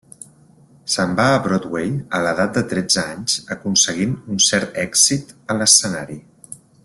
Se'n va a Broadway a l'edat de tretze anys aconseguint un cert èxit a l'escenari.